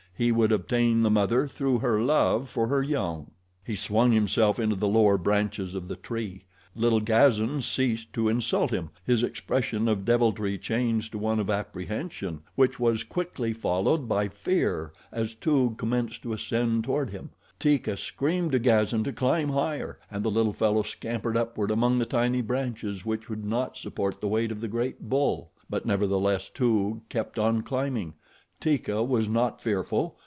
He would obtain the mother through her love for her young. He swung himself into the lower branches of the tree. Little Gazan ceased to insult him; his expression of deviltry changed to one of apprehension, which was quickly followed by fear as Toog commenced to ascend toward him. Teeka screamed to Gazan to climb higher, and the little fellow scampered upward among the tiny branches which would not support the weight of the great bull; but nevertheless Toog kept on climbing. Teeka was not fearful.